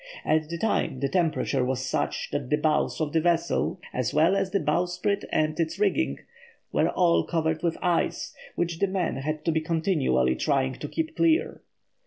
At the time the temperature was such that the bows of the vessel, as well as the bowsprit and its rigging, were all covered with ice, which the men had to be continually trying to keep clear.